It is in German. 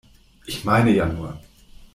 Ich meine ja nur.